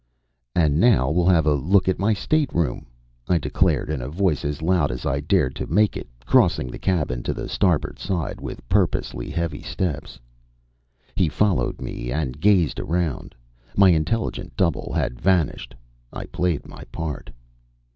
"And now we'll have a look at my stateroom," I declared, in a voice as loud as I dared to make it, crossing the cabin to the starboard side with purposely heavy steps. He followed me in and gazed around. My intelligent double had vanished. I played my part.